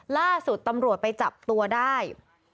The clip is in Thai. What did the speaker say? ล่าสุดตำรวจไปจับตัวได้